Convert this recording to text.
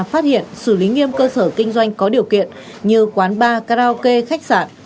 phát hiện xử lý nghiêm cơ sở kinh doanh có điều kiện như quán bar karaoke khách sạn